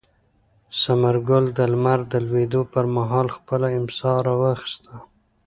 ثمر ګل د لمر د لوېدو پر مهال خپله امسا راواخیسته.